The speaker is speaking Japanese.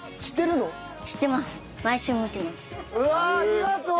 うわありがとう！